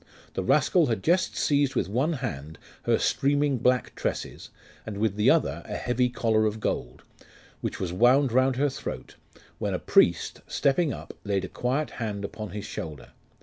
The rascal had just seized with one hand her streaming black tresses, and with the other a heavy collar of gold, which was wound round her throat, when a priest, stepping up, laid a quiet hand upon his shoulder.